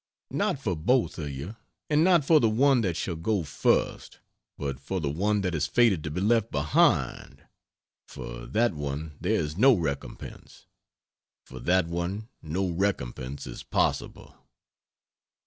Not for both of you and not for the one that shall go first, but for the one that is fated to be left behind. For that one there is no recompense. For that one no recompense is possible.